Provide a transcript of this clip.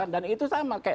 dan itu sama